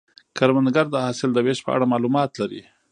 کروندګر د حاصل د ویش په اړه معلومات لري